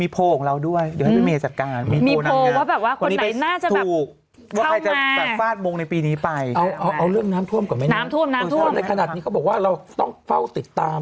พรุ่งนี้รู้แล้วใช่ไหม